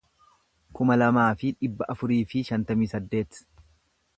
kuma lamaa fi dhibba afurii fi shantamii saddeet